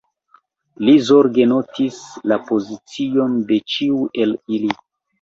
Li zorge notis la pozicion de ĉiu el ili.